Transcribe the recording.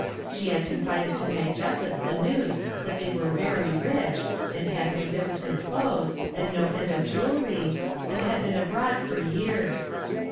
She had confided to Mag Jessup the news that they were very rich, and had magnificent clothes, and no end of jewelry, and had been abroad for years.